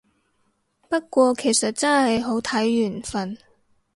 不過其實真係好睇緣份